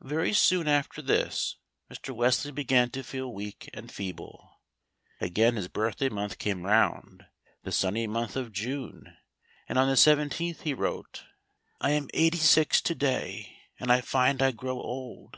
Very soon after this, Mr. Wesley began to feel weak and feeble. Again his birthday month came round, the sunny month of June, and on the 17th he wrote: "I am eighty six to day, and I find I grow old.